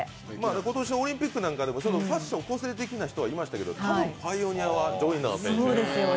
今年、オリンピックなんかでもファッション個性的な人もいましたけど、多分、パイオニアはジョイナー選手ですよね。